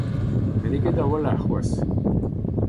Met n'eo ket a-walc'h c'hoazh !